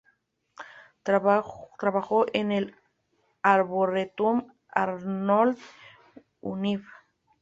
Trabajó en el Arboretum Arnold, Univ.